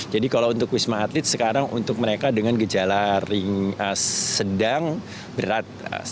jadi kalau untuk wisma atlet sekarang untuk mereka dengan gejala sedang berat